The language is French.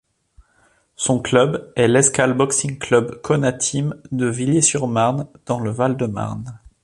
Son club est l'escale boxing club Konateam de Villiers-sur-Marne dans le Val-de-Marne.